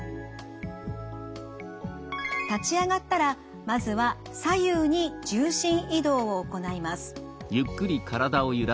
立ち上がったらまずは左右に重心移動を行います。